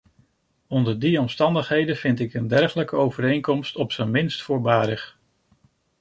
Onder die omstandigheden vind ik een dergelijke overeenkomst op z'n minst voorbarig.